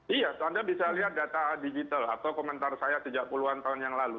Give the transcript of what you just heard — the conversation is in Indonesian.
iya anda bisa lihat data digital atau komentar saya sejak puluhan tahun yang lalu